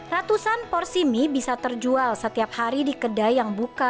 ratusan porsi mie bisa terjual setiap hari di kedai yang buka